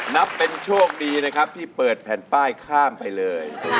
นับเป็นโชคดีนะครับที่เปิดแผ่นป้ายข้ามไปเลย